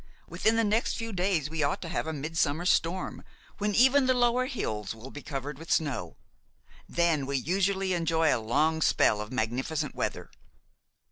"Within the next few days we ought to have a midsummer storm, when even the lower hills will be covered with snow. Then, we usually enjoy a long spell of magnificent weather."